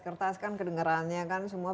kertas kan kedengerannya semua